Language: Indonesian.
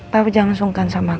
papa jangan sungkan sama aku